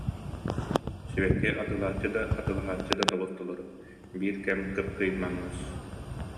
Сибэкки атыылааччы да, атыылаһааччы да тобус-толору, биир кэм кып-кыймаҥнас